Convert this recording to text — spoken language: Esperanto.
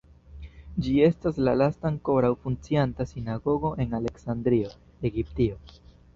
Ĝi estas la lasta ankoraŭ funkcianta sinagogo en Aleksandrio, Egiptio.